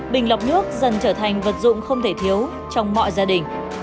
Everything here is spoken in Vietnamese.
bình lọc nước dần trở thành vật dụng không thể thiếu trong mọi gia đình